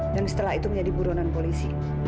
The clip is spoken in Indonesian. dan setelah itu menjadi buruanan polisi